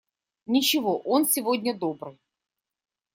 Ничего, он сегодня добрый.